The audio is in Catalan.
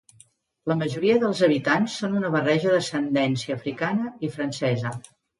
La majoria dels habitants són una barreja d'ascendència africana i francesa.